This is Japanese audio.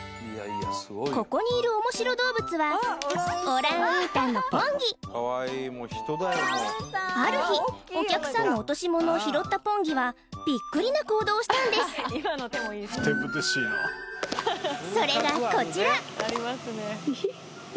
ここにいるオモシロ動物はある日お客さんの落とし物を拾ったポンギはビックリな行動をしたんですそれがこちら！